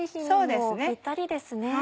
そうですね。